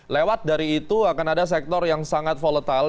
lewat dari itu akan ada sektor yang sangat volatile